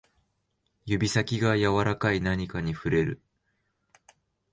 指先が柔らかい何かに触れる